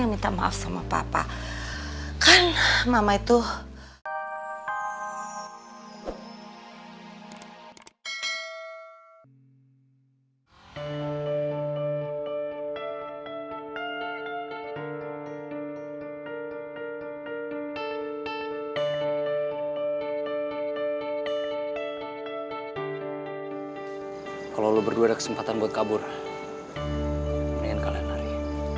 minta maaf sama papa kan mama itu kalau berdua kesempatan buat kabur kalian hari